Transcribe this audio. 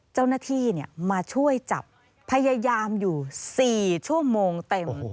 เจ้าหน้าที่มาช่วยจับพยายามอยู่๔ชั่วโมงเต็ม